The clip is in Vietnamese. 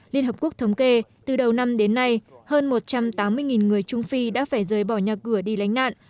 liên hợp quốc thống kê từ đầu năm đến nay hơn một trăm tám mươi người trung phi đã phải rời bỏ nhà cửa đi lánh nạn